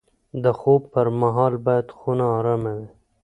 د خوب پر مهال باید خونه ارامه وي.